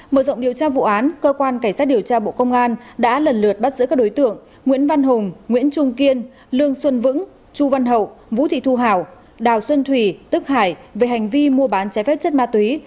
mở rộng điều tra vụ án cơ quan cảnh sát điều tra bộ công an đã lần lượt bắt giữ các đối tượng nguyễn văn hùng nguyễn trung kiên lương xuân vững chu văn hậu vũ thị thu hảo đào xuân thủy tức hải về hành vi mua bán trái phép chất ma túy